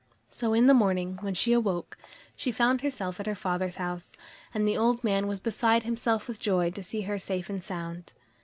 So in the morning, when she awoke, she found herself at her father's house, and the old man was beside himself with joy to see her safe and sound.